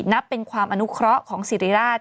นับเป็นความอนุเคราะห์ของสิริราช